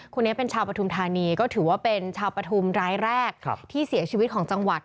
คนนี้เป็นชาวปฐุมธานีก็ถือว่าเป็นชาวปฐุมรายแรกที่เสียชีวิตของจังหวัด